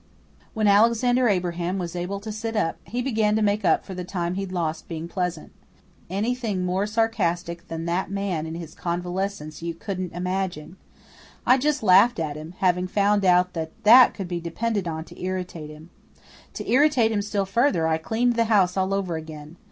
When Alexander Abraham was able to sit up, he began to make up for the time he'd lost being pleasant. Anything more sarcastic than that man in his convalescence you couldn't imagine. I just laughed at him, having found out that that could be depended on to irritate him. To irritate him still further I cleaned the house all over again.